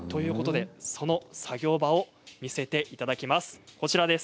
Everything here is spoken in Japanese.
その作業場を見せていただきます。